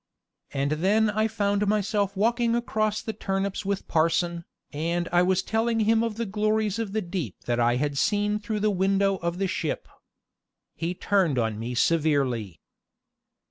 And then I found myself walking across the turnips with parson, and I was telling him of the glories of the deep that I had seen through the window of the ship. He turned on me severely.